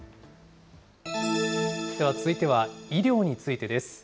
では続いては、医療についてです。